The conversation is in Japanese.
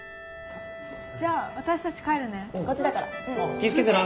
気ぃ付けてな。